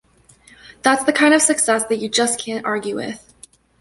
That's the kind of success that you just can't argue with.